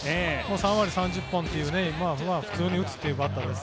３割３０本普通に打つというバッターです。